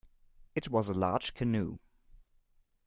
It was a large canoe.